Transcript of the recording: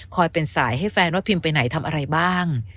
เป็นสายให้แฟนว่าพิมไปไหนทำอะไรบ้าง